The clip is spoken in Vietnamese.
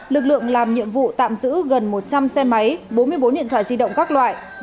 lực lượng làm nhiệm vụ tạm giữ gần một trăm linh xe máy bốn mươi bốn điện thoại di động các loại